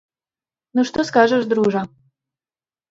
Ну, што скажаш, дружа?